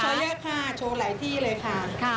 เยอะค่ะโชว์หลายที่เลยค่ะ